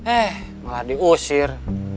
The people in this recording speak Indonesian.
eh malah diusir